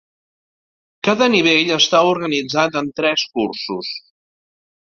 Cada nivell està organitzat en tres cursos.